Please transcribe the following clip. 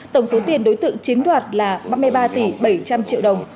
tổng số tiền đối tượng chiếm đoạt là ba mươi ba tỷ bảy trăm linh triệu đồng